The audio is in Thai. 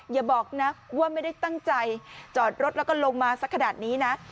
อย่าบอกนะว่าไม่ได้ตั้งใจจอดรถแล้วก็ลงมาสักขนาดนี้นะ